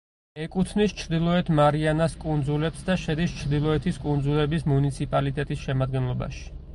ეკუთვნის ჩრდილოეთ მარიანას კუნძულებს და შედის ჩრდილოეთის კუნძულების მუნიციპალიტეტის შემადგენლობაში.